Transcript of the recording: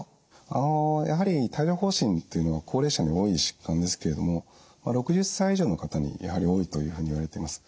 あのやはり帯状ほう疹というのは高齢者に多い疾患ですけれども６０歳以上の方にやはり多いというふうにいわれてます。